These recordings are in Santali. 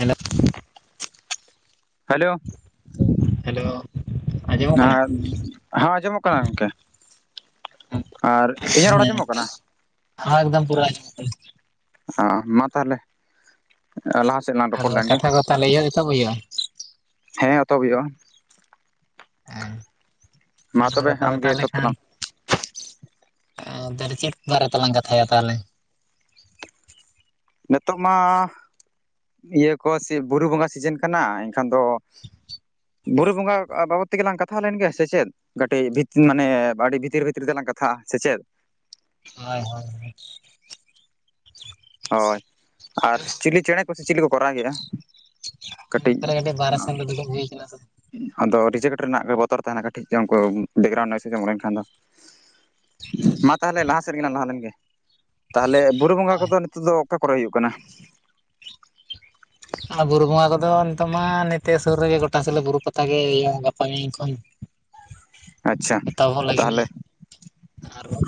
ᱦᱮᱞᱚᱜ ᱦᱟᱞᱳ ᱦᱟᱞᱳ, ᱟᱨ ᱦᱟᱸ ᱟᱸᱡᱚᱢᱚᱜ ᱠᱟᱱᱟ ᱜᱚᱢᱠᱮ᱾ ᱟᱨ ᱤᱧᱟᱹᱜ ᱨᱚᱲ ᱦᱮᱸ, ᱟᱸᱡᱚᱢᱚᱜ ᱠᱟᱱᱟ ᱦᱟᱸ ᱮᱠᱫᱚᱢ ᱯᱩᱨᱟᱹ ᱟᱸᱡᱚᱢᱚᱜ ᱟᱸᱧ᱾ ᱟᱸ ᱢᱟ ᱛᱟᱦᱚᱞᱮ᱾ ᱟ ᱞᱟᱦᱟ ᱥᱮᱫ ᱞᱟᱝ [unintelligible] ᱟᱨ ᱠᱟᱛᱷᱟ ᱠᱚ ᱛᱟᱦᱚᱞᱮ ᱤᱭᱟᱹ ᱜᱮᱛᱚ ᱦᱩᱭᱩᱜᱼᱟ ᱦᱮᱸ ᱚᱛᱚᱦᱚᱵ ᱦᱩᱭᱩᱜᱼᱟ᱾ ᱦᱮᱸ ᱢᱟ ᱟᱨᱦᱚ ᱛᱚᱵᱮ ᱛᱚ ᱢᱮᱛᱟ ᱟᱢᱜᱮ ᱣᱟᱞᱮ ᱮᱛᱚᱦᱚᱵ ᱠᱷᱟᱱ ᱛᱟᱞᱟᱝ [inaudible] ᱟᱸ ᱫᱟᱨᱮ ᱪᱮᱫ ᱵᱟᱨᱮ ᱛᱟᱞᱟᱝ ᱠᱟᱛᱷᱟᱭᱟ ᱛᱟᱦᱮᱞᱮ? ᱱᱮᱛᱚᱜ ᱢᱟ ᱤᱭᱟᱹ ᱠᱚ ᱥᱮ ᱵᱩᱨᱩ ᱵᱚᱸᱜᱟ ᱥᱤᱡᱮᱱ ᱠᱟᱱᱟ ᱮᱱᱠᱷᱟᱱ ᱫᱚ, ᱵᱩᱨᱩ ᱵᱚᱸᱜᱟᱜ ᱟ ᱵᱟᱵᱚᱛ ᱛᱮᱜᱮᱞᱟᱝ ᱠᱟᱛᱷᱟ ᱞᱮᱱ ᱜᱮᱭᱟ ᱥᱮ ᱪᱮᱫ? ᱠᱟᱹᱴᱤᱡᱽ ᱵᱤᱛ ᱢᱟᱱᱮ ᱟᱹᱰᱤ ᱵᱷᱤᱛᱤᱨ ᱵᱷᱤᱛᱤᱨ ᱛᱮᱞᱟᱝ ᱠᱟᱛᱷᱟ ᱥᱮ ᱪᱮᱫ? ᱦᱳᱭ ᱦᱳᱭ ᱦᱳᱭ! ᱟᱨ ᱪᱤᱞᱤ ᱪᱮᱬᱮ ᱠᱚᱥᱮ ᱪᱤᱞᱤ ᱠᱚᱠᱚ ᱨᱟᱜᱽ ᱜᱮ-ᱟ? ᱠᱟᱹᱴᱤᱡᱽ ᱱᱚᱛᱮ ᱨᱮ ᱠᱟᱹᱴᱤᱡ ᱵᱟᱨᱦᱮ ᱥᱮᱱ ᱟᱸᱜ ᱨᱮ ᱫᱩᱲᱩᱵ ᱦᱩᱭ ᱠᱟᱱᱟ ᱥᱮ ᱟᱫᱚ ᱨᱤᱡᱮᱠᱴ ᱨᱮᱱᱟᱜ ᱜᱮ ᱵᱚᱛᱚᱨ ᱛᱟᱦᱮᱱᱟ, ᱠᱟᱹᱴᱤᱡᱽ ᱩᱱᱠᱩ ᱵᱮᱜᱨᱟᱩᱱ ᱱᱟᱭᱮᱡ ᱟᱸᱡᱚᱢ ᱞᱮᱱ ᱠᱷᱟᱱ ᱫᱚ᱾ ᱢᱟ ᱛᱟᱦᱮᱞᱮ ᱞᱟᱦᱟ ᱥᱮᱫ ᱜᱮᱞᱟᱝ ᱞᱟᱦᱟ ᱞᱮᱱᱜᱮ, ᱛᱟᱦᱮᱞᱮ ᱵᱩᱨᱩ ᱵᱚᱸᱜᱟ ᱦᱳᱭ ᱠᱚᱫᱚ ᱱᱤᱛ ᱛᱚ ᱚᱠᱟ ᱠᱚᱨᱮ ᱦᱩᱭᱩᱜ ᱠᱟᱱᱟ? ᱟᱨ ᱵᱩᱨᱩ ᱵᱚᱸᱜᱟ ᱠᱚᱫᱚ ᱱᱤᱛᱚᱜ ᱢᱟ ᱱᱚᱛᱮ ᱥᱩᱨ ᱨᱮᱜᱮ, ᱜᱚᱴᱟ ᱥᱤᱞᱟᱹ ᱵᱩᱨᱩ ᱯᱟᱛᱟ ᱜᱮ, ᱤᱭᱟᱹᱼᱟ ᱜᱟᱯᱟ ᱢᱮᱭᱧ ᱠᱷᱚᱱ᱾ ᱟᱪᱷᱟ ᱮᱛᱚᱦᱚᱵᱚᱜ ᱞᱟᱹᱜᱤᱫ ᱛᱟᱦᱞᱮ ᱟᱨ ᱦᱚ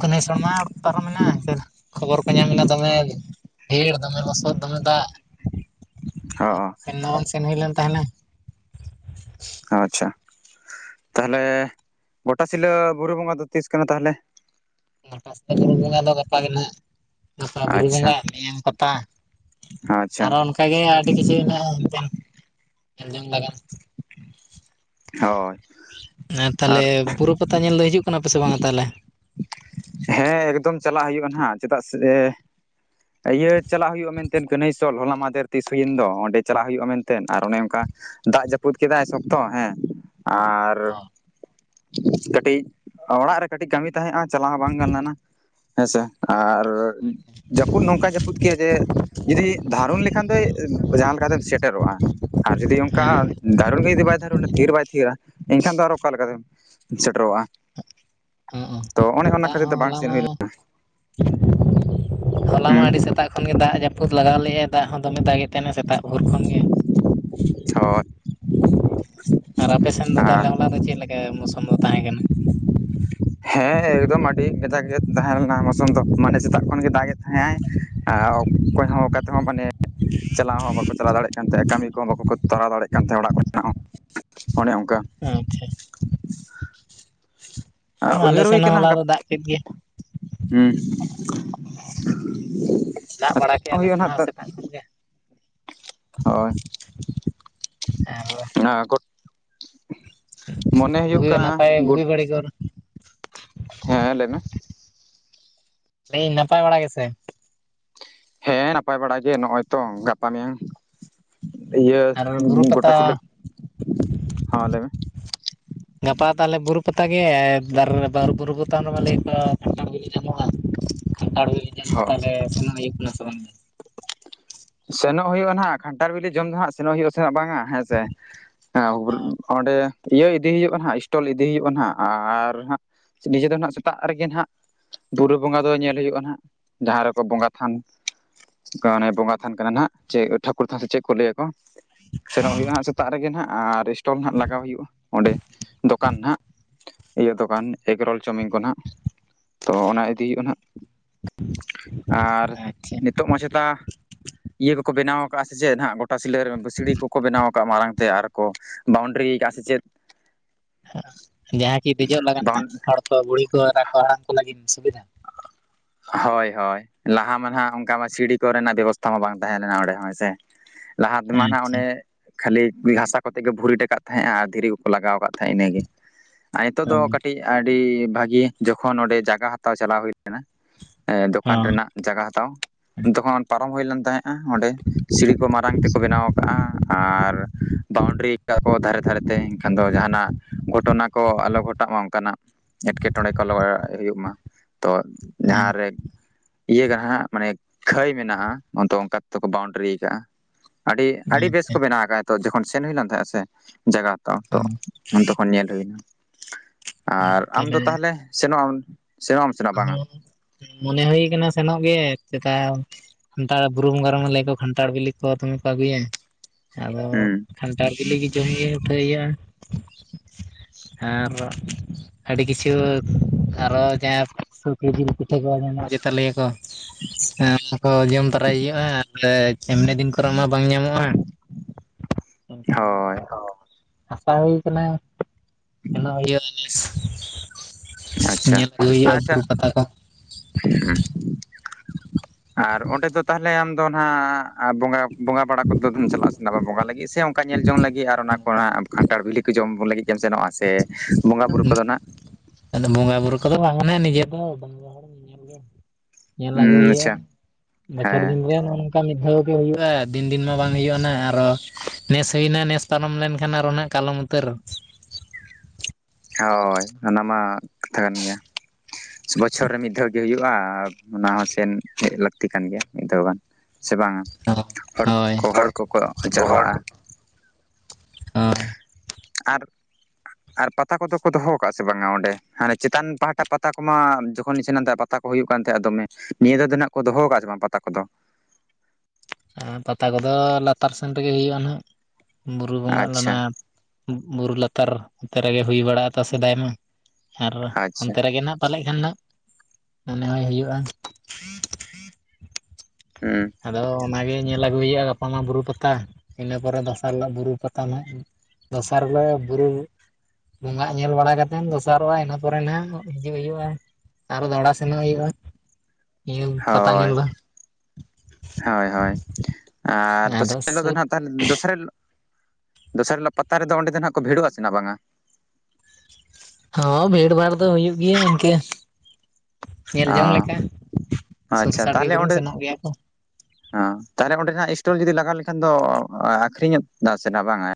ᱠᱟᱹᱱᱦᱟᱹᱭᱥᱚᱲ ᱢᱟ ᱯᱟᱨᱚᱢᱮᱱᱟ [unintelligible] ᱠᱷᱚᱵᱚᱨ ᱠᱚ ᱧᱟᱢ ᱮᱱᱟ ᱫᱚᱢᱮ ᱦᱮᱲ ᱫᱚᱢᱮ ᱞᱚᱥᱚᱫ ᱫᱚᱢᱮ ᱫᱟᱜ ᱦᱚᱸ ᱟᱨ ᱱᱚᱞ ᱥᱮᱱᱢᱟ ᱵᱟᱝ ᱥᱮᱱ ᱦᱩᱭ ᱞᱮᱱ ᱛᱟᱦᱮᱱᱟ᱾ ᱟᱪᱷᱟ, ᱛᱟᱦᱚᱞᱮ ᱜᱚᱴᱟ ᱥᱤᱞᱟᱹ ᱵᱩᱨᱩ ᱵᱚᱸᱜᱟ ᱫᱚ ᱛᱤᱥ ᱠᱟᱱᱟ ᱛᱟᱦᱚᱞᱮ? ᱜᱚᱴᱟ ᱥᱮᱛᱟᱜ ᱵᱩᱨᱩ ᱵᱚᱸᱜᱟ ᱫᱚ ᱜᱟᱯᱟ ᱜᱮᱱᱟᱜ, ᱜᱟᱯᱟ ᱵᱩᱨᱩ ᱟᱪᱪᱷᱟ ᱵᱚᱸᱜᱟ, ᱢᱮᱭᱟᱝ ᱯᱟᱛᱟ᱾ ᱟᱪᱪᱷᱟ ᱟᱨᱚ ᱚᱱᱠᱟ ᱜᱮ ᱟᱹᱰᱤ ᱠᱤᱪᱷᱩ ᱢᱮᱱᱟᱜᱼᱟ ᱮᱛᱮ ᱧᱮᱞ ᱡᱚᱝ ᱞᱟᱜᱟᱱ ᱦᱳᱭ ᱟᱨ ᱛᱟᱦᱞᱮ ᱵᱩᱨᱩ ᱯᱟᱛᱟ ᱧᱮᱞ ᱫᱚ ᱦᱤᱡᱩᱜ ᱠᱟᱱᱟ ᱯᱮᱥᱮ ᱵᱟᱝᱼᱟ ᱛᱟᱦᱚᱞᱮ ᱦᱮᱸ ᱮᱠᱫᱚᱢ ᱪᱟᱞᱟᱜ ᱦᱩᱭᱩᱜᱼᱟ ᱱᱟᱦᱟᱸᱜ ᱪᱮᱫᱟᱜ ᱥᱮ ᱤᱭᱟᱹ ᱪᱟᱞᱟᱜ ᱦᱩᱭᱩᱜᱼᱟ ᱢᱮᱱ ᱛᱮ ᱠᱟᱱᱦᱟᱹᱭᱥᱚᱞ ᱦᱚᱞᱟ ᱢᱟᱫᱮᱨ ᱛᱤ ᱥᱩᱭᱮᱱ ᱫᱚ ᱚᱸᱰᱮ ᱪᱟᱞᱟᱜ ᱦᱩᱭᱩᱜᱼᱟ ᱢᱮᱱ ᱛᱮ ᱟᱨ ᱚᱱᱮ ᱚᱱᱠᱟ ᱫᱟᱜ ᱡᱟᱹᱯᱩᱫ ᱠᱮᱫᱟᱭ ᱥᱚᱠᱛᱚ ᱦᱮᱸ ᱟᱨ ᱠᱟᱹᱴᱤᱧ ᱚᱲᱟᱜ ᱨᱮ ᱠᱟᱹᱴᱤᱧ ᱠᱟᱹᱢᱤ ᱛᱟᱦᱮᱸᱜᱼᱟ᱾ ᱪᱟᱞᱟᱣ ᱦᱚᱸ ᱵᱟᱝ ᱜᱟᱱ ᱞᱮᱱᱟ ᱦᱮᱸᱥᱮ ᱟᱨ ᱡᱟᱹᱯᱩᱫ ᱱᱚᱝᱠᱟ ᱡᱟᱹᱯᱩᱫ ᱠᱮᱜᱼᱟᱭ ᱡᱮ ᱡᱩᱫᱤ ᱫᱷᱟᱨᱚᱱ ᱞᱮᱠᱷᱟᱱ ᱫᱚ ᱡᱟᱦᱟᱸ ᱞᱮᱠᱟ ᱛᱮᱢ ᱥᱮᱴᱮᱨᱚᱜᱼᱟ ᱟᱨ ᱡᱩᱫᱤ ᱚᱱᱠᱟ ᱦᱮᱸ ᱫᱟᱨᱩᱱ ᱜᱮ ᱡᱩᱫᱤ ᱵᱟᱭ ᱫᱟᱨᱩᱱᱟ ᱛᱷᱤᱨ ᱵᱟᱭ ᱛᱷᱤᱨᱟᱹ ᱮᱱ ᱠᱷᱟᱱ ᱫᱚ ᱟᱨᱦᱚᱸ ᱚᱠᱟ ᱞᱮᱠᱟ ᱛᱮᱢ ᱥᱮᱴᱮᱨᱚᱜᱼᱟ ᱦᱚᱸ ᱛᱚ ᱚᱱᱮ ᱚᱱᱟ ᱫᱟᱜ ᱠᱷᱟᱹᱛᱤᱨ ᱦᱚᱸ ᱛᱮ ᱵᱟᱝ ᱦᱚᱞᱟ ᱥᱮᱱ ᱢᱟ ᱦᱩᱭ ᱞᱮᱱᱟ ᱦᱚᱞᱟ ᱢᱟ ᱦᱩᱸ ᱟᱹᱰᱤ ᱥᱮᱛᱟᱜ ᱠᱷᱚᱱ ᱜᱮ ᱫᱟᱜ ᱡᱟᱹᱯᱩᱫ ᱞᱟᱜᱟᱣ ᱞᱮᱫᱟᱭ ᱫᱟᱜ ᱦᱚᱸ ᱫᱚᱢᱮ ᱫᱟᱜᱮ ᱛᱮᱱᱟ ᱥᱮᱛᱟᱜ ᱵᱷᱳᱨ ᱠᱷᱚᱱ ᱜᱮ ᱦᱳᱭ [inaudible] ᱟᱨ ᱟᱯᱮ ᱥᱮᱱ ᱫᱚ ᱟᱨ ᱛᱟᱦᱚᱞᱮ ᱦᱚᱞᱟ ᱫᱚ ᱪᱮᱫ ᱞᱮᱠᱟ ᱢᱳᱥᱩᱢ ᱫᱚ ᱛᱟᱦᱮᱸ ᱠᱟᱱᱟ ᱦᱮᱸ ᱮᱠᱫᱚᱢ ᱟᱹᱰᱤ ᱜᱟᱡᱟᱠ ᱜᱮ ᱛᱟᱦᱮᱸ ᱞᱮᱱᱟ ᱢᱳᱥᱩᱢ ᱫᱚ ᱢᱟᱱᱮ ᱥᱮᱛᱟᱜ ᱠᱷᱚᱱ ᱜᱮ ᱫᱟᱜᱮᱫ ᱛᱟᱦᱮᱸᱜ ᱟᱭ ᱟᱨ ᱚᱠᱚᱭ ᱦᱚᱸ ᱚᱠᱟ ᱛᱮᱦᱚᱸ ᱢᱟᱱᱮ ᱪᱟᱞᱟᱣ ᱦᱚᱸ ᱵᱟᱠᱚ ᱪᱟᱞᱟᱣ ᱫᱟᱹᱲᱮᱭᱟᱜ ᱛᱟᱦᱮᱸᱫ ᱠᱟᱹᱢᱤ ᱠᱚᱦᱚᱸ ᱵᱟᱠᱚ ᱛᱟᱨᱟᱣ ᱫᱟᱲᱮᱭᱟᱜ ᱠᱟᱱ ᱛᱟᱦᱮᱸᱫ ᱚᱲᱟᱜ ᱠᱚ ᱨᱮᱱᱟᱜ ᱦᱚᱸ ᱚᱱᱮ ᱚᱱᱠᱟ ᱟᱪᱪᱷᱟ ᱟᱞᱮ ᱩᱭᱦᱟᱹᱨ ᱦᱩᱭ ᱥᱮᱱ ᱦᱚᱸ ᱟᱠᱟᱱᱟ ᱦᱚᱞᱟ ᱜᱟᱯ ᱫᱚ ᱫᱟᱜ ᱠᱮᱫ ᱜᱮ [unintelligible] ᱦᱮᱸ ᱫᱟᱜ ᱵᱟᱲᱟ ᱠᱮᱫᱼᱟ [unintelligible] ᱟᱞᱮ ᱦᱩᱭᱩᱜᱼᱟ ᱥᱮᱱ ᱱᱟᱷᱟᱜ ᱦᱚᱸ ᱛᱟᱜ ᱥᱮᱛᱟᱜ ᱠᱷᱚᱱᱜᱮ ᱦᱳᱭ [unintelligible] ᱟᱨ ᱠᱩᱴ ᱢᱚᱱᱮ ᱦᱩᱭᱩᱜ ᱵᱩᱜᱤ ᱠᱟᱱᱟ ᱜᱩᱴ [unintelligible] ᱦᱮᱸ ᱞᱟᱹᱭ ᱢᱮ ᱞᱟᱹᱭᱟᱹᱧ ᱱᱟᱯᱟᱭ ᱵᱟᱹᱲᱟ ᱜᱮ ᱥᱮ ᱦᱮᱸ ᱱᱟᱯᱟᱭ ᱵᱟᱲᱟ ᱜᱮ ᱱᱚᱜᱼᱚᱭ ᱛᱚ ᱜᱟᱯᱟ ᱢᱮᱭᱟᱝ ᱤᱭᱟᱹ ᱟᱨ ᱵᱩᱨᱩ ᱜᱚᱴᱟ [unintelligible] ᱯᱟᱛᱟ ᱦᱮᱸ ᱞᱟᱹᱭ ᱢᱮ ᱜᱟᱯᱟ ᱛᱟᱦᱚᱞᱮ ᱵᱩᱨᱩ ᱯᱟᱛᱟ ᱜᱮ ᱫᱟᱨᱤᱨᱮ ᱵᱟᱨᱮ ᱵᱩᱨᱩ ᱯᱟᱛᱟᱱ ᱨᱮᱵᱮᱱ ᱞᱟᱹᱭ ᱠᱚᱣᱟ ᱠᱟᱱᱴᱟᱲ ᱵᱮᱞᱤ ᱧᱟᱢᱚᱜᱼᱟ᱾ ᱠᱟᱱᱴᱟᱲ ᱵᱮᱞᱤ ᱡᱚᱢ ᱫᱚ ᱦᱚᱸ ᱛᱟᱦᱞᱮ ᱥᱮᱱᱚᱜ ᱦᱩᱭᱩᱜ ᱠᱟᱱᱟ ᱥᱮ ᱵᱟᱝ ᱥᱮᱱᱚᱜ ᱦᱩᱭᱩᱜᱼᱟ ᱱᱟᱦᱟᱸᱜ ᱠᱷᱟᱱᱴᱟᱲ ᱵᱮᱞᱤ ᱡᱚᱢ ᱫᱚ ᱦᱟᱸᱜ ᱥᱮᱱᱚᱜ ᱦᱩᱭᱩᱜᱼᱟ ᱥᱮ ᱵᱟᱝᱼᱟ ᱦᱮᱸ ᱥᱮ ᱦᱮᱸ ᱚᱸᱰᱮ ᱤᱭᱟᱹ ᱤᱫᱤ ᱦᱩᱭᱩᱜᱼᱟ ᱦᱟᱸᱜ ᱮᱥᱴᱚᱞ ᱤᱫᱤ ᱦᱩᱭᱩᱜᱼᱟ ᱦᱟᱸᱜ ᱟᱨ ᱦᱚᱸ ᱱᱤᱡᱮ ᱫᱚ ᱦᱟᱸᱜ ᱥᱮᱛᱟᱜ ᱨᱮᱜᱮ ᱦᱟᱸᱜ ᱵᱩᱨᱩ ᱵᱚᱸᱜᱟ ᱫᱚ ᱧᱮᱞ ᱦᱩᱭᱩᱜᱼᱟ ᱦᱟᱸᱜ ᱡᱟᱦᱟᱸ ᱨᱮᱹ ᱠᱚ ᱵᱚᱸᱜᱟ ᱛᱷᱟᱱ ᱚᱝᱠᱟᱹ ᱚᱱᱮ ᱵᱚᱸᱜᱟ ᱛᱷᱟᱱ ᱠᱟᱱᱟ ᱱᱟᱦᱟᱸᱜ ᱡᱮ ᱴᱷᱟᱹᱠᱩᱨ ᱛᱷᱟᱱ ᱥᱮ ᱪᱮᱫ ᱠᱚ ᱞᱟᱹᱭ ᱟᱠᱚ ᱥᱮᱱᱚᱜ ᱦᱩᱭᱩᱜᱼᱟ ᱦᱟᱸᱜ ᱥᱮᱛᱟᱜ ᱨᱮᱜᱮ ᱦᱟᱸᱜ ᱟᱨ ᱮᱥᱴᱚᱞ ᱦᱟᱸᱜ ᱞᱟᱜᱟᱣ ᱦᱩᱭᱩᱜᱼᱟ ᱚᱸᱰᱮ ᱫᱚᱠᱟᱱ ᱱᱟᱦᱟᱸᱜ ᱤᱭᱟᱹ ᱫᱚᱠᱟᱱ ᱮᱜᱽᱨᱳᱞ ᱪᱟᱣᱢᱤᱱ ᱠᱚ ᱦᱟᱸᱜ ᱛᱚ ᱚᱱᱟ ᱤᱫᱤ ᱦᱩᱭᱩᱜᱼᱟ ᱱᱟᱦᱟᱸᱜ ᱟᱨ ᱟᱪᱪᱷᱟ ᱱᱤᱛᱳᱜ ᱢᱟ ᱪᱮᱛᱼᱟ ᱤᱭᱟᱹ ᱠᱚᱠᱚ ᱵᱮᱱᱟᱣ ᱟᱠᱟᱜᱼᱟ ᱥᱮ ᱪᱮᱫ ᱱᱟᱦᱟᱸᱜ ᱜᱚᱴᱟ ᱥᱤᱞᱟᱹ ᱨᱮ ᱯᱟᱹᱥᱲᱤ ᱠᱚᱠᱚ ᱵᱮᱱᱟᱣ ᱟᱠᱟᱜᱼᱟ ᱢᱟᱲᱟᱝ ᱛᱮ ᱟᱨ ᱠᱚ ᱵᱟᱣᱱᱰᱨᱤ ᱠᱟᱜ ᱥᱮᱪᱮᱫ? ᱡᱟᱦᱟᱸ ᱠᱤ ᱫᱮᱡᱚᱼᱜ ᱞᱟᱜᱟᱹᱜ ᱦᱟᱸᱜ ᱦᱚᱲᱹ ᱠᱚ ᱵᱩᱲᱦᱤ ᱠᱚ ᱮ ᱠᱚ ᱦᱟᱹᱲᱟᱢ ᱠᱚ ᱞᱟᱹᱜᱤᱫ ᱥᱩᱵᱤᱫᱷᱟ? ᱦᱳᱭ ᱦᱳᱭ ᱞᱟᱦᱟ ᱢᱟ ᱱᱦᱟᱸᱜ ᱚᱱᱠᱟ ᱢᱟ ᱥᱤᱲᱤ ᱠᱚᱨᱮᱱᱟᱜ ᱵᱮᱵᱚᱥᱛᱷᱟ ᱢᱟ ᱵᱟᱝ ᱛᱟᱦᱮᱸ ᱞᱮᱱᱟ ᱚᱸᱰᱮ ᱦᱮᱸᱥᱮ? ᱞᱟᱦᱟ ᱛᱮᱹᱢᱟ ᱱᱟᱜ ᱟᱪᱪᱷᱟ ᱚᱱᱮ ᱠᱷᱟᱹᱞᱤ ᱦᱟᱥᱟ ᱠᱚ ᱠᱟᱛᱮᱼᱜ ᱜᱮ ᱵᱷᱩᱨᱤᱴ ᱠᱚᱫᱹ ᱛᱟᱦᱮᱸᱜ ᱟᱨ ᱫᱷᱤᱨᱤ ᱠᱚᱠᱚ ᱞᱟᱜᱟᱼᱣ ᱠᱚᱫᱹ ᱛᱟᱦᱮᱸᱜ ᱤᱱᱟᱹᱜᱮ᱾ ᱟᱨ ᱱᱤᱛᱚᱼᱜ ᱫᱚ ᱦᱳᱭ ᱠᱟᱹᱴᱤᱡ ᱟᱹᱰᱤ ᱵᱷᱟᱹᱜᱤ ᱡᱚ ᱠᱷᱚᱱ ᱚᱸᱰᱮ ᱡᱟᱜᱟ ᱦᱟᱛᱟᱼᱣ ᱪᱟᱞᱟᱼᱣ ᱦᱩᱜᱸ ᱞᱮᱱᱟ᱾ ᱫᱚᱠᱟᱱ ᱦᱚᱸ ᱨᱮᱱᱟᱼᱜ ᱡᱟᱜᱟ ᱦᱟᱛᱟᱣ ᱡᱚᱠᱷᱚᱱ ᱯᱟᱨᱚᱢ ᱦᱩᱭ ᱞᱮᱱ ᱛᱟᱦᱮᱡ, ᱚᱸᱰᱮ ᱥᱤᱲᱤ ᱠᱚ ᱢᱟᱨᱟᱝ ᱛᱮᱠᱚ ᱵᱮᱱᱟᱣ ᱠᱟᱜᱼᱟ, ᱟᱨ ᱵᱟᱣᱩᱱᱰᱨᱤ ᱟᱠᱟᱫ ᱠᱚ ᱫᱷᱟᱨᱮ ᱫᱷᱟᱨᱮ ᱛᱮ, ᱮᱱᱠᱷᱟᱱ ᱫᱚ ᱡᱟᱦᱟᱱᱟᱜ ᱜᱷᱚᱴᱚᱱᱟ ᱠᱚ ᱟᱞᱚ ᱜᱷᱚᱴᱟᱜ ᱢᱟ ᱚᱱᱠᱟᱱᱟᱜ ᱮᱴᱠᱮᱴᱚᱬᱮ ᱠᱚ ᱟᱞᱚ ᱦᱩᱭᱩᱜ ᱢᱟ᱾ ᱛᱚ ᱡᱟᱦᱟᱸᱨᱮ ᱤᱭᱟᱹ ᱜᱮ ᱦᱟᱜ ᱢᱟᱱᱮ ᱠᱷᱟᱹᱭ ᱢᱮᱱᱟᱜᱼᱟ, ᱟᱫᱚ ᱚᱱᱠᱟ ᱛᱮᱫᱚ ᱠᱚ ᱵᱟᱣᱩᱱᱰᱟᱨᱤ ᱟᱠᱟᱜᱼᱟ᱾ ᱟᱹᱰᱤ ᱟᱹᱰᱤ ᱵᱮᱥ ᱟᱪᱪᱷᱟ ᱠᱚ ᱵᱮᱱᱟᱣ ᱟᱠᱟᱫᱼᱟ ᱛᱚ ᱡᱚᱠᱷᱚᱱ ᱥᱮᱱ ᱦᱩᱭ ᱞᱮᱱ ᱛᱟᱦᱮᱸᱜᱼᱟ ᱥᱮ ᱡᱟᱜᱟ᱾ ᱦᱚᱸ [unintelligible] ᱩᱱ ᱛᱚᱠᱷᱚᱱ ᱧᱮᱞ ᱦᱩᱭᱱᱟ, ᱟᱨ ᱟᱢ ᱫᱚ ᱛᱟᱦᱚᱞᱮ ᱥᱮᱱᱚᱜ ᱟᱢ? ᱥᱮᱱᱚᱜ ᱟᱢ ᱥᱮ ᱵᱟᱝᱟ [unintelligible] ᱢᱚᱱᱮ ᱦᱩᱭ ᱠᱟᱱᱟ ᱥᱮᱱᱚᱜ ᱜᱮ ᱪᱮᱛᱟ [unintelligible] ᱵᱩᱨᱩ ᱵᱚᱸᱜᱟ ᱨᱮ ᱢᱟᱠᱚ ᱞᱟᱹᱭᱟᱠᱚ ᱠᱷᱟᱱᱴᱷᱟᱲ ᱵᱤᱞᱤ ᱠᱚ ᱫᱚᱢᱮ ᱠᱚ ᱟᱹᱜᱩᱭᱟ᱾ ᱟᱫᱚ ᱦᱩᱸ ᱠᱟᱱᱴᱷᱟᱲ ᱵᱤᱞᱤ ᱜᱮ ᱡᱚᱢ [inaudible] ᱩᱴᱷᱟᱹᱭᱼᱟ᱾ ᱟᱨᱚ ᱟᱹᱰᱤ ᱠᱤᱪᱷᱩ ᱟᱨᱚ ᱡᱟᱦᱟᱸ ᱥᱩᱠᱨᱤᱡᱤᱞ ᱯᱤᱴᱷᱟᱹ ᱠᱚ ᱧᱟᱢᱚᱜ ᱚᱱᱟ ᱠᱚ ᱪᱮᱛᱟ ᱞᱟᱹᱭ ᱟᱠ ᱡᱚᱢ ᱛᱟᱨᱟᱭ ᱦᱩᱭᱩᱜᱼᱟ᱾ ᱮ ᱪᱮᱢᱱᱮ ᱫᱤᱱ ᱠᱚᱨᱮ ᱢᱟ ᱵᱟᱝ ᱧᱟᱢᱚᱜᱼᱟ, ᱮᱱᱠᱷᱟᱱ ᱫᱚ ᱦᱳᱭ ᱟᱥᱟ ᱦᱩᱭ ᱠᱟᱱᱟ ᱥᱮᱱᱚᱜ ᱦᱩᱭᱩᱜᱼᱟ ᱱᱮᱥ᱾ ᱟᱪᱪᱷᱟ ᱧᱮᱞ ᱟᱜᱩᱭ ᱦᱩᱭᱩᱜᱼᱟ ᱟᱪᱪᱷᱟ ᱵᱩᱨᱩ ᱯᱟᱛᱟ ᱠᱚ᱾ ᱟᱨ ᱚᱸᱰᱮ ᱫᱚ ᱛᱟᱦᱚᱞᱮ ᱟᱢ ᱫᱚ ᱱᱟᱦᱟᱸᱜ ᱵᱚᱸᱜᱟ ᱵᱚᱸᱜᱟ ᱵᱟᱲᱟ ᱠᱚ ᱫᱚ ᱪᱟᱞᱟᱜ ᱟᱥᱮ ᱟᱵᱮᱱ ᱵᱚᱸᱜᱟ ᱞᱟᱹᱜᱤᱫ ᱥᱮ ᱚᱱᱠᱟ ᱧᱮᱞ ᱡᱚᱝ ᱞᱟᱹᱜᱤᱫ ᱟᱨ ᱚᱱᱟ ᱠᱚᱬᱦᱟ ᱠᱷᱟᱱᱴᱟᱲ ᱵᱤᱞᱤ ᱠᱚ ᱡᱚᱢ ᱞᱟᱹᱜᱤᱫ᱾ ᱮᱢ ᱥᱮᱱᱚᱜᱼᱟ ᱥᱮ, ᱵᱚᱸᱜᱟ ᱵᱩᱨᱩ ᱠᱚᱫᱚ ᱱᱟᱜ ᱵᱚᱸᱜᱟ ᱵᱩᱨᱩ ᱠᱚᱫᱚ ᱵᱟᱝ ᱢᱟᱱᱮ ᱱᱤᱡᱮ ᱠᱚᱦᱚ ᱵᱟᱝ ᱨᱮ ᱦᱚ ᱧᱮᱞ ᱟᱹᱜᱩᱭ ᱩᱸ ᱦᱩᱭᱩᱜᱼᱟ ᱟᱪᱪᱷᱟ ᱵᱚᱪᱷᱚᱨ ᱦᱮᱸ ᱫᱤᱱ ᱨᱮᱱ ᱚᱱᱠᱟ ᱢᱤᱫ ᱫᱷᱟᱣ ᱜᱮ ᱦᱩᱭᱩᱜᱼᱟ ᱫᱤᱱ ᱫᱤᱱ ᱢᱟ ᱵᱟᱝ ᱦᱩᱭᱩᱜ ᱟᱨᱚ ᱱᱮᱥ ᱦᱩᱭᱱᱟ ᱱᱮᱥ ᱯᱟᱨᱚᱢ ᱞᱮᱱᱠᱷᱟᱱ ᱟᱨᱚ ᱱᱟᱜ ᱠᱟᱞᱚᱢ ᱩᱛᱟᱹᱨ ᱦᱳᱭ ᱚᱱᱟ ᱢᱟ ᱠᱟᱛᱷᱟ ᱠᱟᱱ ᱜᱮᱭᱟ᱾ ᱵᱚᱪᱷᱚᱨ ᱨᱮ ᱢᱤᱫ ᱫᱷᱟᱣ ᱜᱮ ᱦᱩᱭᱩᱜᱼᱟ, ᱟᱨ ᱚᱱᱟ ᱦᱚᱸ ᱥᱮᱱ ᱦᱮᱡ ᱞᱟᱹᱠᱛᱤ ᱠᱟᱱ ᱜᱮᱭᱟ ᱢᱤᱫ ᱫᱷᱟᱣ ᱜᱟᱱ᱾ ᱥᱮ ᱵᱟᱝᱼᱟ? ᱦᱚᱲ ᱦᱚᱲ ᱠᱚᱠᱚ ᱠᱚ ᱦᱚᱲ ᱡᱟᱨᱣᱟᱜᱼᱟ᱾ ᱠᱚ ᱦᱳᱭ ᱟᱨ, ᱟᱨ ᱯᱟ ᱯᱟᱛᱟ ᱠᱚᱫᱚ ᱠᱚ ᱫᱚᱦᱚ ᱟᱠᱟᱟᱜᱫ ᱥᱮ ᱵᱟᱝᱟ ᱚᱸᱰᱮ? ᱦᱟᱱᱮ ᱪᱮᱛᱟᱱ ᱯᱟᱦᱟᱴᱟ ᱯᱟᱛᱟ ᱠᱚᱢᱟ ᱡᱚᱠᱷᱚᱱᱤᱧ ᱥᱮᱱ ᱞᱮᱱ ᱛᱟᱦᱮᱸᱡ ᱯᱟᱛᱟ ᱠᱚ ᱦᱩᱭᱩᱜ ᱠᱟᱱ ᱛᱟᱦᱮᱸᱼᱟ ᱫᱚᱢᱮ᱾ ᱱᱤᱭᱟᱹ ᱫᱷᱟᱶ ᱫᱚ ᱱᱟᱜ ᱠᱚ ᱫᱚᱦᱚ ᱠᱟᱜ ᱥᱮ ᱵᱟᱝ ᱯᱟᱛᱟ ᱠᱚᱫᱚ? ᱯᱟᱛᱟ ᱠᱚᱫᱚ ᱞᱟᱛᱟᱨ ᱥᱮᱱ ᱨᱮᱜᱮ ᱦᱩᱭᱩᱜᱼᱟ ᱱᱟᱦᱟᱸᱜ, ᱵᱩᱨᱩ ᱵᱚᱸᱜᱟ ᱟᱪᱪᱷᱟ ᱞᱮᱱᱟ ᱵᱩᱨᱩ ᱞᱟᱛᱟᱨ ᱚᱱᱚᱛᱮ ᱨᱮᱜᱮ ᱦᱩᱭ ᱵᱟᱲᱟᱜ ᱥᱮᱫᱟᱭ ᱢᱟ ᱟᱨ ᱟᱪᱪᱷᱟ ᱚᱱᱛᱮ ᱨᱮᱜᱮ ᱱᱟᱱᱟᱜ ᱯᱟᱞᱮᱫ ᱠᱷᱟᱱ ᱫᱚ ᱢᱚᱱᱮ ᱦᱚᱭ ᱦᱩᱭᱩᱜᱼᱟ᱾ ᱦᱩᱸ ᱟᱫᱚ ᱚᱱᱟᱜᱮ ᱧᱮᱞ ᱟᱹᱜᱩᱭ ᱦᱩᱭᱩᱜᱼᱟ ᱜᱟᱯᱟ ᱢᱟ ᱵᱩᱨᱩ ᱯᱟᱛᱟ, ᱤᱱᱟᱹ ᱯᱚᱨᱮ ᱫᱚᱥᱟᱨ ᱦᱤᱞᱳᱜ ᱵᱩᱨᱩ ᱯᱟᱛᱟ ᱱᱟᱜ ᱫᱚᱥᱟᱨ ᱦᱤᱞᱳ ᱵᱩᱨᱩ ᱵᱚᱸᱜᱟᱜ ᱧᱮᱞ ᱵᱟᱲᱟ ᱠᱟᱛᱮᱱ ᱫᱚᱥᱟᱨᱚᱜᱼᱟ ᱤᱱᱟᱹ ᱯᱚᱨᱮ ᱱᱟᱜ ᱦᱤᱡᱩᱜ ᱦᱩᱭᱩᱜᱼᱟ ᱟᱨᱦᱚᱸ ᱫᱟᱦᱲᱟ ᱥᱮᱱᱚᱜ ᱦᱩᱭᱩᱜᱼᱟ ᱧᱮᱞ ᱯᱟᱛᱟ ᱦᱳᱭ, ᱧᱮᱞ ᱫᱚ ᱦᱳᱭ-ᱦᱳᱭ ᱟᱨ ᱫᱚᱥᱟᱨ ᱟᱫᱚ ᱦᱤᱞᱳᱜ ᱫᱚ ᱥᱩᱨ ᱱᱟᱦᱟᱸᱜ ᱛᱟᱨ ᱫᱚᱥᱟᱨ ᱦᱤᱞᱚᱜ, ᱫᱚᱥᱟᱨ ᱦᱤᱞᱚᱜ ᱯᱟᱛᱟ ᱨᱮᱫᱚ ᱚᱸᱰᱮ ᱫᱚ ᱱᱟᱦᱟᱸᱜ ᱠᱚ ᱵᱷᱤᱲᱚᱜᱼᱟ ᱥᱮ ᱱᱟᱦᱟᱸᱜ ᱵᱟᱝᱼᱟ ᱦᱚᱸ ᱵᱷᱤᱲ ᱵᱷᱟᱲ ᱫᱚ ᱦᱩᱭᱩᱜ ᱜᱮᱭᱟ ᱤᱱᱠᱟᱹ᱾ ᱧᱮᱞ ᱚ ᱡᱚᱝ ᱞᱮᱠᱟ, ᱥᱩᱨᱥᱟᱰᱜᱮ ᱠᱚᱨᱮ ᱥᱮᱱᱚᱜ ᱜᱮᱭᱟ ᱠᱚ᱾ ᱦᱮᱸ ᱛᱟᱦᱚᱞᱮ ᱚᱸᱰᱮᱱᱟᱜ ᱤᱥᱴᱚᱞ ᱡᱩᱫᱤ ᱞᱟᱜᱟᱣ ᱞᱮᱠᱷᱟᱱ ᱫᱚ ᱟᱠᱷᱨᱤᱧᱚᱜ ᱱᱟᱥᱮ ᱵᱟᱝᱟ?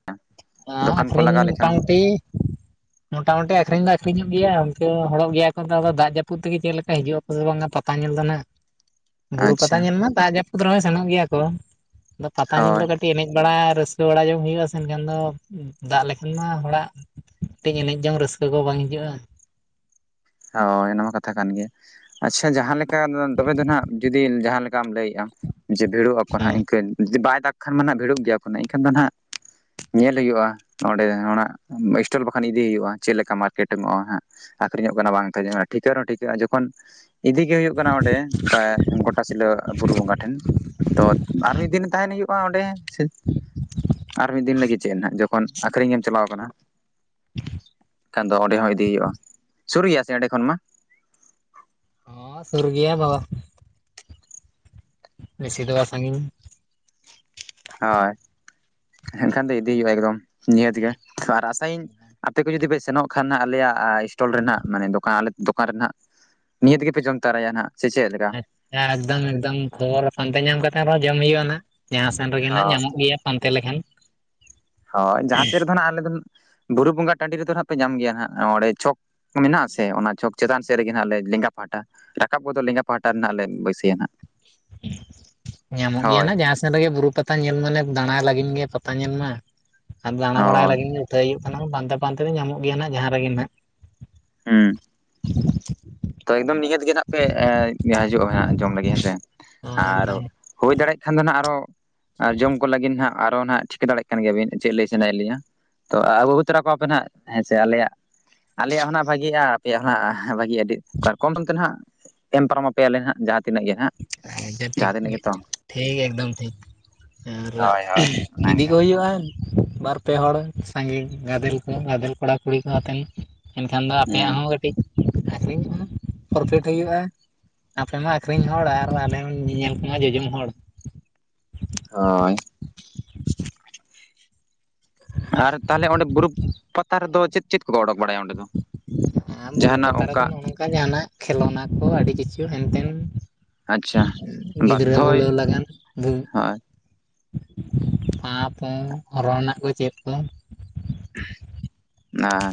ᱦᱚᱸ ᱫᱚᱠᱟᱱ ᱠᱚ ᱟᱹᱠᱷᱨᱤᱧ ᱞᱟᱜᱟᱣ ᱞᱮᱠᱷᱟᱱ ᱫᱚ ᱢᱚᱴᱟᱢᱩᱴᱤ ᱢᱚᱴᱟᱢᱩᱴᱤ ᱟᱠᱷᱨᱤᱧ ᱫᱚ ᱟᱠᱠᱷᱨᱤᱧᱚᱜ ᱜᱮᱭᱟ ᱚᱱᱠᱟᱹ ᱦᱚᱲᱚᱜ ᱜᱮᱭᱟ ᱠᱚ ᱫᱟᱜ ᱡᱟᱹᱯᱩᱫ ᱛᱮᱜᱮ ᱪᱮᱫ ᱞᱮᱠᱟ ᱦᱤᱡᱩᱜᱼᱟ᱾ ᱯᱩᱥ ᱵᱚᱸᱜᱟ ᱯᱟᱛᱟ ᱧᱮᱞᱫᱚ ᱱᱟᱜ [inaudible] ᱵᱩᱨᱩ ᱯᱟᱛᱟ ᱧᱮᱞ ᱢᱟ ᱫᱟᱜ ᱡᱟᱹᱯᱩᱫ ᱨᱮᱦᱚᱸᱚᱭ ᱥᱮᱱᱚᱜ ᱜᱮᱭᱟ ᱠᱚ ᱟᱫᱚ ᱯᱟᱛᱟ ᱧᱮᱞ ᱫᱚ ᱦᱳᱭ ᱠᱟᱹᱴᱤᱡ, ᱛᱮ ᱮᱱᱮᱡ ᱵᱟᱲᱟ ᱨᱟᱹᱥᱠᱟᱹ ᱵᱟᱲᱟ ᱡᱚᱝ ᱦᱩᱭᱩᱜᱼᱟ ᱥᱮ ᱮᱱᱠᱷᱟᱱ ᱫᱚ, ᱫᱟᱜ ᱞᱮᱠᱷᱟᱱ ᱢᱟ ᱦᱚᱲᱟᱜ ᱠᱟᱹᱴᱤᱡ ᱮᱱᱮᱡ ᱡᱚᱝ ᱨᱟᱹᱥᱠᱟᱹ ᱠᱚ ᱵᱟᱝ ᱦᱤᱡᱩᱜ-ᱟ᱾ ᱦᱳᱭ ᱚᱱᱟᱢᱟ ᱠᱟᱛᱷᱟ ᱠᱟᱱ ᱜᱮᱭᱟ ᱟᱪᱪᱷᱟ ᱡᱟᱦᱟᱸ ᱞᱮᱠᱟ ᱫᱚᱵᱮ ᱫᱚ ᱱᱟᱱᱟᱜ ᱡᱩᱫᱤ ᱡᱟᱦᱟᱸ᱾ ᱪᱟᱢ ᱞᱟᱹᱭᱮᱜᱼᱟ ᱡᱮ ᱵᱷᱤᱲᱚᱜ ᱟᱠᱚ ᱦᱟᱸᱜ ᱤᱱᱠᱟᱹ ᱡᱩᱫᱤ ᱵᱟᱭ ᱫᱟᱜᱽ ᱠᱷᱟᱱ ᱢᱟ ᱱᱟᱜ ᱵᱷᱤᱲᱚᱜ ᱜᱮᱭᱟ ᱠᱚ ᱮᱱᱠᱷᱟᱱ ᱫᱚ ᱦᱟᱸᱜ᱾ ᱧᱮᱞ ᱦᱩᱭᱩᱜᱼᱟ ᱚᱸᱰᱮ ᱚᱱᱟ ᱥᱴᱚᱞ ᱵᱟᱠᱷᱟᱱ ᱤᱫᱤ ᱦᱩᱭᱩᱜᱼᱟ ᱪᱮᱫᱞᱮᱠᱟ ᱢᱟᱨᱠᱮᱴ ᱮᱢᱚᱜᱼᱟ ᱦᱟᱜ ᱟᱹᱠᱷᱨᱤᱧᱚᱜ ᱠᱟᱱᱟ ᱵᱟᱝ ᱛᱟᱦᱮᱸ ᱴᱷᱤᱠᱟᱹᱜ ᱨᱮᱦᱚᱸ ᱴᱤᱠᱟᱹᱜᱼᱟ ᱡᱚᱠᱷᱚᱱ ᱤᱫᱤᱜᱮ ᱦᱩᱭᱩᱜ ᱠᱟᱱᱟ ᱚᱸᱰᱮ ᱮ ᱜᱚᱴᱟᱥᱤᱞᱟᱹ ᱵᱩᱨᱩ ᱵᱚᱸᱜᱟ ᱴᱷᱮᱱ ᱛᱚ ᱟᱨ ᱢᱤᱫ ᱫᱤᱱ ᱛᱟᱦᱮᱱ ᱦᱩᱭᱩᱜ-ᱟ᱾ ᱢᱟ ᱚᱸᱰᱮ ᱥᱮ ᱟᱨ ᱢᱤᱫ ᱫᱤᱱ ᱞᱟᱹᱜᱤᱫ ᱪᱮᱫ ᱱᱟ ᱡᱚᱠᱷᱚᱱ ᱟᱹᱠᱷᱨᱤᱧ ᱮᱢ ᱪᱟᱞᱟᱣ ᱠᱟᱱᱟ [inaudible] ᱮᱱᱠᱷᱟᱱ ᱫᱚ ᱚᱸᱰᱮ ᱦᱚᱸ ᱤᱫᱤᱭ ᱦᱩᱭᱩᱜᱼᱟ ᱥᱩᱨ ᱜᱮᱭᱟ ᱥᱮ ᱚᱸᱰᱮ ᱠᱷᱚᱱ ᱢᱟ ᱦᱚᱸ ᱥᱩᱨᱜᱤᱭᱟ ᱵᱟᱵᱟ ᱵᱤᱥᱤ ᱫᱚ ᱵᱟᱝ ᱥᱟᱺᱜᱤᱧ ᱦᱳᱭ ᱮᱱᱠᱷᱟᱱ ᱫᱚ ᱤᱫᱤ ᱦᱩᱭᱩᱜᱼᱟ ᱮᱠᱫᱚᱢ ᱱᱤᱭᱟᱹᱛᱜᱮ ᱟᱨ ᱟᱥᱟᱭᱟᱧ ᱟᱯᱮ ᱠᱚ ᱡᱩᱫᱤ ᱯᱮ ᱥᱮᱱᱚᱜ ᱠᱷᱟᱱ ᱦᱟᱜ ᱟᱞᱮᱭᱟᱜ ᱥᱴᱚᱞ ᱨᱮ ᱱᱟᱜ ᱫᱚᱠᱟᱱ ᱟᱞᱮ ᱫᱚᱠᱟᱱ ᱨᱮ ᱱᱟᱜ ᱱᱤᱦᱟ. ᱛ ᱜᱮᱯᱮ ᱡᱚᱢ ᱛᱚᱨᱟᱭᱟ ᱱᱟᱜ ᱥᱮ ᱪᱮᱫ ᱞᱮᱠᱟ? ᱟᱪᱪᱷᱟ ᱮᱠᱫᱚᱢ ᱮᱠᱫᱚᱢ ᱠᱷᱚᱵᱚᱨ ᱨᱮ ᱯᱟᱱᱛᱮ ᱧᱟᱢ ᱠᱟᱛᱮ ᱨᱮᱦᱚᱸ ᱡᱚᱢ ᱦᱩᱭᱩᱜᱼᱟ ᱱᱟᱜ ᱡᱟᱦᱟᱸ ᱥᱮᱱ ᱨᱮᱜᱮ ᱱᱟᱜ ᱦᱚᱸ ᱧᱟᱢᱚᱜ ᱜᱮᱭᱟ ᱯᱟᱱᱛᱮ ᱞᱮᱠᱷᱟᱱ ᱦᱳᱭ ᱡᱟᱦᱟᱸ ᱥᱮᱫ ᱨᱮᱫᱚ ᱦᱟᱜ ᱟᱞᱮ ᱫᱚ ᱵᱩᱨᱩ ᱵᱚᱸᱜᱟ ᱴᱟᱺᱰᱤ ᱨᱮᱫᱚ ᱦᱟᱸᱜ ᱯᱮ ᱧᱟᱢ ᱜᱮᱭᱟ ᱦᱟᱜ ᱚᱸᱰᱮ ᱪᱚᱠ ᱢᱮᱱᱟᱜ ᱟᱥᱮ ᱚᱱᱟ ᱪᱷᱚᱠ ᱪᱮᱛᱟᱱ ᱥᱮᱫ ᱨᱮᱜᱮ ᱦᱟᱜ ᱞᱮᱸᱜᱟ ᱯᱟᱦᱴᱟ ᱨᱟᱠᱟᱵ ᱜᱚᱫᱚᱜ ᱞᱮᱸᱜᱟ ᱯᱟᱦᱟᱴᱟ ᱨᱮᱱᱟᱜ ᱞᱮ ᱵᱟᱹᱭᱥᱟᱹᱭᱟ ᱱᱟᱜ ᱧᱟᱢᱚᱜ ᱦᱳᱭ ᱜᱮᱭᱟ ᱡᱟᱦᱟᱸ ᱥᱮᱱ ᱨᱮᱜᱮ ᱵᱩᱨᱩ ᱯᱟᱛᱟ᱾ ᱯᱟᱛᱟ ᱧᱮᱞ ᱢᱟᱱᱮ ᱫᱟᱬᱟᱭ ᱞᱟᱹᱜᱤᱫ ᱜᱮ ᱯᱟᱛᱟ ᱧᱮᱞ ᱢᱟ ᱟᱨ ᱫᱟᱬᱟ ᱵᱟᱲᱟᱭ ᱦᱳᱭ ᱞᱟᱹᱜᱤᱫ ᱠᱟᱛᱷᱟ ᱦᱩᱭᱩᱜ ᱠᱟᱱᱟ ᱯᱟᱱᱛᱮ ᱯᱟᱱᱛᱮ ᱛᱮ ᱧᱟᱢᱚᱜ ᱜᱮᱭᱟ ᱱᱟᱜ ᱡᱟᱦᱟᱸ ᱨᱮᱜᱮ ᱱᱟᱜ ᱦᱩᱸ ᱛᱚ ᱮᱠᱫᱚᱢ ᱱᱤᱦᱟᱹᱛᱮᱜᱮ ᱦᱟᱜ ᱯᱮ ᱦᱤᱡᱩᱜ-ᱟ ᱡᱚᱢ ᱞᱟᱹᱜᱤᱫ ᱦᱮᱸᱥᱮ ᱟᱨ᱾ ᱮᱠᱫᱚᱢ ᱦᱩᱭ ᱫᱟᱲᱮᱭᱟᱜ ᱠᱷᱟᱱ ᱫᱚ ᱱᱟᱜ ᱟᱨᱚ ᱡᱚᱢ ᱠᱚ ᱞᱟᱹᱜᱤᱫ ᱱᱟᱦᱟᱜ᱾ ᱟᱨᱚ ᱱᱟᱸᱱᱟᱜ ᱴᱷᱤᱠᱟᱹ ᱫᱟᱲᱮᱭᱟᱜ ᱠᱟᱱ ᱜᱮᱭᱟᱵᱤᱱ ᱪᱮᱫ ᱞᱟᱹᱭ ᱥᱟᱱᱟᱭᱮᱫ ᱞᱤᱧᱟᱹ᱾ ᱛᱚ ᱟᱹᱜᱩ ᱛᱚᱨᱟ ᱠᱚᱣᱟᱯᱮ ᱱᱟᱦᱟᱜ ᱦᱮᱸᱥᱮ ᱟᱞᱮᱭᱟᱜ ᱟᱞᱮᱭᱟᱜ ᱦᱚᱸ ᱱᱟᱜ ᱵᱷᱟᱜᱤᱜᱼᱟ ᱟᱯᱮᱭᱟᱜ ᱦᱚᱸᱱᱟᱜ ᱵᱷᱟᱜᱤᱜᱼᱟ ᱟᱹᱰᱤ ᱠᱟᱨᱠᱚᱢ ᱠᱷᱚᱱ ᱛᱮ ᱱᱟᱦᱟᱜ ᱮᱢ ᱯᱟᱨᱚᱢ ᱟᱯᱮᱭᱟᱞᱮ ᱦᱟᱸᱜ ᱡᱟᱦᱟᱸᱛᱤᱱᱟᱹᱜ ᱜᱮ ᱦᱟᱜ ᱴᱷᱤᱠ ᱴᱷᱤᱠ ᱮᱠᱫᱚᱢ ᱴᱷᱤᱠ᱾ ᱟᱨ ᱦᱳᱭ ᱦᱳᱭ ᱚᱱᱮ ᱤᱫᱤ ᱚᱱᱠᱟ ᱠᱚ ᱦᱩᱭᱩᱜᱼᱟ ᱵᱟᱨ ᱯᱮ ᱦᱚᱲ ᱥᱟᱸᱜᱮ ᱜᱟᱫᱮᱞ ᱠᱚ ᱜᱟᱫᱮᱞ ᱠᱚᱲᱟᱼ ᱠᱩᱲᱤ ᱠᱚ ᱟᱛᱮᱱ ᱮᱱᱠᱷᱟᱱ ᱫᱚ ᱟᱯᱮᱭᱟᱜ ᱦᱩᱸ ᱦᱚᱸ ᱠᱟᱹᱴᱤᱡ ᱟᱹᱠᱷᱨᱤᱧ ᱯᱨᱚᱯᱷᱤᱴ ᱦᱩᱭᱩᱜᱼᱟ ᱟᱯᱮ ᱢᱟ ᱟᱠᱷᱨᱤᱧ᱾ ᱟᱠᱷᱤᱨᱤᱧ ᱦᱚᱲ ᱟᱨ ᱟᱞᱮ ᱦᱚᱸ ᱧᱮᱧᱮᱞ ᱠᱚᱢᱟ ᱡᱚᱡᱚᱢ ᱦᱚᱲ ᱦᱚᱭ ᱟᱨ ᱛᱟᱦᱚᱞᱮ ᱚᱸᱰᱮ ᱵᱩᱨᱩ ᱯᱟᱛᱟ ᱨᱮᱫᱚ ᱪᱮᱫ ᱪᱮᱫ ᱠᱚ ᱚᱰᱚᱠ ᱵᱟᱲᱟᱭᱟ ᱚᱸᱰᱮ ᱫᱚ ᱡᱟᱦᱟᱱᱟᱜ ᱚᱝᱠᱟ ᱚᱱᱠᱟ ᱡᱟᱦᱟᱱᱟᱜ ᱠᱷᱮᱞᱳᱱᱟ ᱠᱚ ᱟᱹᱰᱤ ᱠᱤᱪᱷᱩ ᱦᱮᱱᱛᱮᱱ᱾ ᱟᱪᱪᱷᱟ ᱜᱤᱫᱽᱨᱟᱹ ᱵᱟᱫᱽᱫᱷᱚᱭ ᱵᱷᱩᱞᱟᱹᱣ ᱞᱟᱜᱟᱱ ᱵ ᱦᱳᱭ ᱯᱟᱯᱳ ᱚᱨᱚᱱᱟᱠᱚ ᱪᱮᱫ ᱠᱚ ᱟᱸ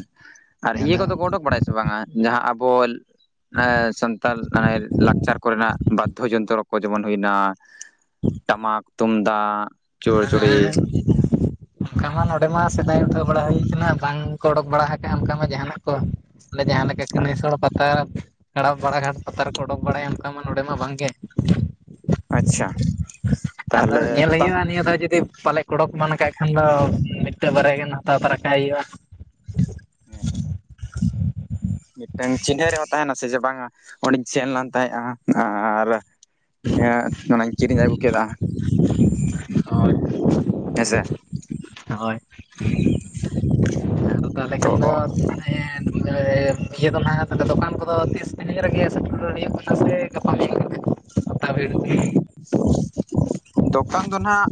ᱟᱨ ᱤᱭᱟᱹ ᱟᱫᱚ ᱠᱚᱫᱚ ᱠᱚ ᱩᱰᱩᱠ ᱵᱟᱲᱟᱭᱟ ᱥᱮ ᱵᱟᱝᱟ ᱡᱟᱦᱟᱸ ᱟᱵᱚ ᱟᱸ ᱥᱟᱱᱛᱟᱞ ᱢᱟᱱᱮ ᱞᱟᱠᱪᱟᱨ ᱠᱚᱨᱮᱱᱟᱜ ᱵᱟᱫᱽᱫᱷᱚ ᱡᱚᱱᱛᱨᱚ ᱠᱚ ᱡᱮᱢᱚᱱ ᱦᱩᱭᱱᱟ ᱴᱟᱢᱟᱠ ᱛᱩᱢᱫᱟᱜ ᱪᱳᱲᱪᱩᱲᱤ ᱦᱮᱸ ᱚᱱᱠᱟ ᱢᱟ ᱱᱚᱰᱮ ᱢᱟ ᱥᱮᱫᱟᱭ ᱩᱴᱷᱟᱹᱣ ᱵᱟᱲᱟ ᱦᱩᱭ ᱠᱟᱱᱟ ᱵᱟᱝ ᱠᱚ ᱚᱰᱳᱠ ᱵᱟᱲᱟ ᱟᱠᱟᱜᱼᱟ ᱚᱱᱠᱟ ᱢᱟ ᱡᱟᱦᱟᱱᱟᱜ ᱠᱚ ᱟᱞᱮ ᱡᱟᱦᱟᱸ ᱞᱮᱠᱟ ᱠᱟᱹᱱᱟᱹᱭ ᱥᱚᱲ ᱯᱟᱛᱟ ᱦᱚᱲᱟᱜ ᱵᱟᱲᱟ ᱜᱷᱟᱴ ᱯᱟᱛᱟ ᱨᱮᱠᱚ ᱚᱰᱩᱠ ᱵᱟᱲᱟᱭᱟ ᱚᱱᱠᱟ ᱢᱟ ᱱᱚᱰᱮ ᱢᱟ ᱵᱟᱝ ᱜᱮ ᱟᱪᱪᱷᱟ ᱟᱫᱚ ᱛᱟᱦᱚᱞᱮ ᱧᱮᱞ ᱛᱟ ᱦᱩᱭᱩᱜ-ᱟ ᱱᱤᱭᱟᱹ ᱫᱷᱥᱣ ᱡᱩᱫᱤ ᱯᱟᱞᱮ ᱚᱰᱚᱠ ᱮᱢᱟᱱ ᱠᱟᱜ ᱠᱷᱟᱱ ᱫᱚ ᱢᱤᱫᱴᱚᱜ ᱵᱟᱨᱭᱟ ᱜᱟᱱ ᱦᱟᱛᱟᱣ ᱛᱟᱨᱟ ᱠᱟᱜ ᱦᱩᱭᱩᱜᱼᱟ ᱦᱮᱸ, ᱢᱤᱫᱴᱟᱝ ᱪᱤᱱᱦᱟᱹ ᱨᱮᱦᱚᱸ ᱛᱟᱦᱮᱱᱟ ᱥᱮ ᱡᱮ ᱵᱟᱝᱟ ᱚᱸᱰᱮᱧ ᱥᱮᱱ ᱞᱮᱱ ᱛᱟᱦᱮᱸᱫᱼᱟ᱾ ᱟᱨ, ᱦᱮᱸ ᱚᱱᱟᱧ ᱪᱤᱨᱤᱧ ᱟᱹᱜᱩ ᱠᱮᱫᱟ᱾ ᱦᱮᱸ ᱥᱮ, ᱦᱳᱭ ᱟᱫᱚ ᱛᱟᱦᱚᱞᱮ ᱛᱚ ᱠᱷᱟᱱ ᱫᱚ ᱦᱮᱸ ᱤᱭᱟᱹ ᱫᱚ ᱱᱟᱦᱟᱜ ᱛᱟᱦᱚᱞᱮ ᱫᱚᱠᱟᱱ ᱠᱚᱫᱚ ᱛᱤᱥ ᱛᱤᱱᱟᱹᱜ ᱨᱮᱜᱮ ᱥᱮᱴᱮᱨ ᱦᱩᱭᱩᱜ ᱠᱟᱱᱟ ᱥᱮ ᱜᱟᱯᱟ ᱦᱩᱭᱩᱜ ᱠᱟᱱᱟ᱾ ᱜᱚᱴᱟ ᱵᱷᱤᱲ ᱨᱮᱜᱮ᱾ ᱫᱚᱠᱟᱱ ᱫᱚ ᱱᱟᱜ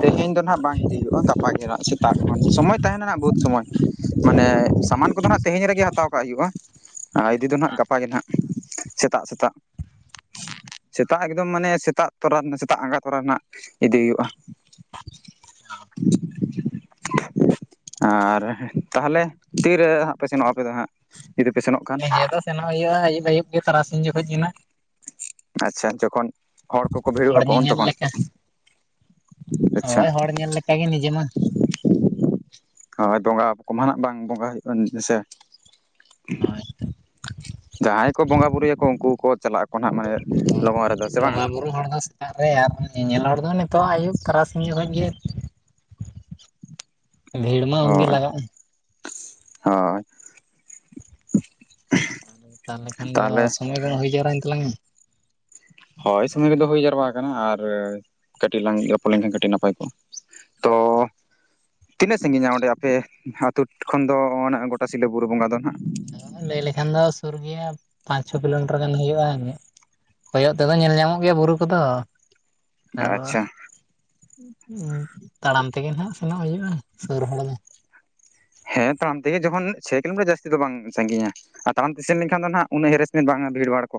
ᱛᱮᱦᱮᱧ ᱫᱚ ᱟᱸᱜ ᱵᱟᱝ ᱤᱫᱤ ᱦᱩᱭᱩᱜᱼᱟ ᱜᱟᱯᱟ ᱜᱮᱜ ᱥᱮᱛᱟᱜ ᱠᱷᱚᱱ ᱥᱚᱢᱚᱭ ᱛᱟᱦᱮᱱᱟ ᱱᱟᱜ ᱵᱚᱦᱩᱛ ᱥᱚᱢᱚᱭ᱾ ᱢᱟᱱᱮ ᱥᱟᱢᱟᱱ ᱠᱚᱫᱚ ᱦᱟᱸᱜ ᱛᱮᱦᱤᱧ ᱨᱮᱜᱮ ᱦᱟᱛᱟᱣ ᱠᱟᱜ ᱦᱩᱭᱩᱜᱼᱟ ᱟᱨ ᱤᱫᱤ ᱫᱚ ᱦᱟᱸᱜ ᱜᱟᱯᱟ ᱜᱮ ᱦᱟᱸᱜ᱾ ᱥᱮᱛᱟᱜ ᱥᱮᱛᱟᱜ ᱥᱮᱛᱟᱜ ᱮᱠᱫᱚᱢ ᱢᱟᱱᱮ ᱥᱮᱛᱟᱜ ᱛᱚᱨᱟ ᱨᱮᱱᱟᱜ ᱥᱮᱛᱟᱜ ᱟᱸᱜᱟ ᱛᱚᱨᱟ ᱨᱮᱱᱟᱜ, ᱤᱫᱤ ᱦᱩᱭᱩᱜᱼᱟ, ᱟᱨ ᱛᱟᱦᱚᱞᱮ ᱛᱤᱨᱮ ᱦᱟᱸᱜ ᱯᱮ ᱥᱮᱱᱚᱜᱼᱟ ᱟᱯᱮ ᱫᱚ ᱦᱟᱸᱜ ᱡᱩᱫᱤ ᱯᱮ ᱥᱮᱱᱚᱜ ᱠᱷᱟᱱ, ᱱᱤᱭᱟᱹ ᱫᱚ ᱥᱮᱱᱚᱜ ᱦᱩᱭᱩᱜᱼᱟ ᱟᱹᱭᱩᱵ ᱟᱹᱭᱩᱵ ᱜᱮ ᱛᱟᱨᱟᱥᱤᱧ ᱡᱚᱠᱷᱚᱡ ᱡᱮᱱᱟ, ᱟᱪᱪᱷᱟ ᱡᱚᱠᱷᱚᱱ ᱦᱚᱲ ᱠᱚᱠᱚ ᱵᱷᱤᱲᱚᱜ ᱦᱚᱲ ᱟᱠᱚ ᱩᱱ ᱧᱮᱧᱮᱞ ᱛᱚᱠᱷᱚᱱ᱾ ᱞᱮᱠᱟ ᱟᱪᱪᱷᱟ ᱦᱳᱭ ᱦᱚᱲ ᱧᱮᱞ ᱞᱮᱠᱟᱜ ᱜᱮ ᱱᱤᱡᱮ ᱢᱟ᱾ ᱦᱳᱭ ᱫᱚᱸᱜᱟ ᱠᱚᱢᱟ ᱱᱟᱜ ᱵᱟᱝ ᱵᱚᱸᱜᱟ ᱦᱩᱭᱩᱜᱼᱟ ᱦᱮᱸᱥᱮ᱾ ᱦᱳᱭ, ᱡᱟᱦᱟᱸᱭ ᱠᱚ ᱵᱚᱸᱜᱟ ᱵᱩᱨᱩᱭᱟᱠᱚ ᱩᱱᱠᱩ ᱠᱚ ᱪᱟᱞᱟᱜ ᱟᱠ, ᱵᱚᱸᱜᱟ ᱵᱩᱨᱩ ᱦᱚᱲ ᱫᱚ ᱥᱮᱛᱟᱜ ᱨᱮ ᱟᱨ ᱧᱮᱧᱮᱞ ᱦᱚᱲ ᱫᱚ ᱱᱤᱛᱚᱜ ᱟᱹᱭᱩᱵ ᱛᱟᱨᱟᱥᱤ, ᱩᱱ ᱡᱚᱠᱷᱚᱱ ᱜᱮ ᱤᱭᱟ ᱭᱟ ᱵᱷᱤᱲ ᱢᱟ ᱩᱱᱜᱮ ᱦᱳᱭ ᱞᱟᱜᱟᱜᱼᱟ᱾ ᱦᱳᱭ ᱟᱛᱟᱦᱚᱞᱮ ᱠᱷᱟᱱ ᱫᱚ ᱛᱟᱦᱚᱞᱮ ᱚᱥᱚᱢᱚᱭ ᱠᱚᱢ ᱦᱩᱭ ᱡᱟᱣᱨᱟᱭᱮᱱ ᱛᱟᱞᱟᱝᱟ᱾ ᱦᱳᱭ ᱥᱚᱢᱚᱭ ᱠᱚᱫᱚ ᱦᱩᱭ ᱡᱟᱨᱣᱟ ᱟᱠᱟᱱᱟ ᱟᱨ ᱠᱟᱹᱴᱤᱡ ᱞᱟᱝ ᱨᱚᱯᱚᱲ ᱞᱮᱱᱠᱷᱟᱱ ᱠᱟᱹᱴᱤᱡ ᱱᱟᱯᱟᱭ ᱠᱚᱜᱼᱟ, ᱛᱚ ᱟᱪᱪᱷᱟ᱾ ᱛᱤᱱᱟᱹᱜ ᱥᱟᱺᱜᱤᱧᱟ ᱚᱸᱰᱮ ᱟᱯᱮ ᱟ ᱟᱹᱛᱩᱳ ᱠᱷᱚᱱ ᱫᱚ ᱜᱚᱴᱟ ᱥᱤᱞᱫᱟᱹ ᱯᱩᱨ ᱵᱚᱸᱜᱟ ᱫᱚ ᱱᱟᱦᱟᱜ᱾ ᱦᱚ ᱞᱟᱹᱭ ᱞᱮᱠᱷᱟᱱ ᱫᱚ ᱥᱩᱨ ᱜᱮᱭᱟ ᱯᱟᱸᱪ ᱪᱷᱚ ᱠᱤᱞᱳᱢᱤᱴᱟᱨ ᱜᱟᱱ ᱦᱩᱭᱩᱜᱼᱟᱜ᱾ ᱠᱚᱭᱚᱜ ᱛᱮᱫᱚ ᱧᱮᱞ ᱧᱟᱢᱚᱜ ᱜᱮᱭᱟ ᱵᱩᱨᱩ ᱠᱚᱫᱚ, ᱟᱨ ᱟᱪᱪᱷᱟ ᱛᱟᱲᱟᱢ ᱛᱮᱜᱮ ᱱᱟᱦᱟᱜ ᱥᱮᱱᱚᱜ ᱦᱩᱭᱩᱜᱼᱟ ᱥᱩᱨ ᱦᱚᱲ ᱢᱮ᱾ ᱦᱮᱸ ᱛᱟᱲᱟᱢ ᱛᱮᱜᱮ ᱡᱚᱠᱷᱚᱱ ᱪᱷ ᱠᱤᱞᱳᱢᱤᱴᱟᱨ ᱡᱟᱹᱥᱛᱤ ᱫᱚ ᱵᱟᱝ ᱥᱟᱹᱜᱤᱧᱟ᱾ ᱟᱨ ᱛᱟᱲᱟᱢ ᱛᱮ ᱥᱮᱱ ᱞᱮᱱᱠᱷᱟᱱ ᱫᱚ ᱦᱟᱜ ᱩᱱᱟᱹᱜ ᱦᱮᱨᱮᱥ ᱢᱮᱱ ᱵᱟᱝᱟ ᱵᱷᱤᱲᱵᱷᱟ ᱠᱚ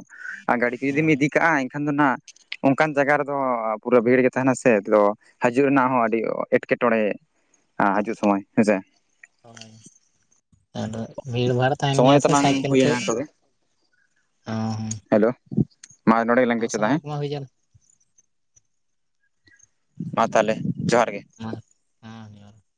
ᱟᱨ ᱜᱟᱹᱰᱤ ᱠᱚ ᱡᱩᱫᱤᱢ ᱤᱫᱤ ᱠᱟᱜᱼᱟ ᱮᱱᱠᱷᱟᱱ ᱫᱚ ᱱᱷᱟᱜ ᱚᱱᱠᱟᱱ ᱡᱟᱭᱜᱟ ᱨᱮᱫᱚ ᱯᱩᱨᱟᱹ ᱵᱷᱤᱲ ᱜᱮ ᱛᱟᱦᱮᱱᱟ ᱥᱮ ᱛᱚ ᱦᱟᱡᱩᱜ ᱨᱮᱱᱟᱜ ᱦᱚᱸ ᱟᱹᱰᱤ ᱮᱸᱴᱠᱮᱴᱚᱬᱮ ᱦᱟᱡᱩᱜ ᱥᱚᱢᱚᱭ ᱦᱮᱸᱥᱮ᱾ ᱦᱳᱭ, ᱟᱫᱚ ᱵᱷᱤᱲ ᱵᱷᱟᱲ ᱛᱟᱦᱮᱸᱱ ᱥᱚᱢᱚᱭ ᱜᱮᱭᱟ ᱥᱮ ᱛᱟᱞᱟᱝ ᱥᱟᱭᱠᱮᱞ ᱛᱮ ᱦᱩᱭᱮᱱᱟ ᱱᱤᱛᱚᱜ ᱫᱚ ᱚᱻ ᱦᱮᱞᱳ ᱢᱟ ᱱᱚᱸᱰᱮ ᱜᱮ ᱞᱟᱝ ᱠᱮᱪᱮᱫᱟ ᱦᱮᱸ᱾ ᱠᱚᱢᱟ ᱦᱩᱭ ᱡᱟᱱ, ᱢᱟ ᱛᱟᱦᱚᱞᱮ ᱡᱚᱦᱟᱨ ᱜᱮ᱾ [inaudible]